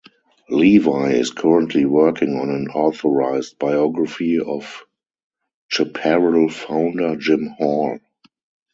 Levy is currently working on an authorized biography of Chaparral founder Jim Hall.